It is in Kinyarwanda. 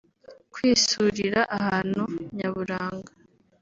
kwisurira ahantu nyaburanga